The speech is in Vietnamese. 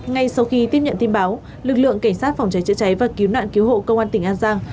ngay sau khi tiếp nhận tin báo lực lượng cảnh sát phòng cháy chữa cháy và cứu nạn cứu hộ công an tỉnh an giang